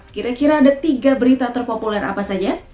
kira kira ada tiga berita terpopuler apa saja